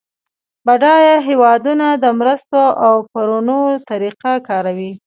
بډایه هیوادونه د مرستو او پورونو طریقه کاروي